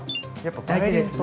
大事ですね。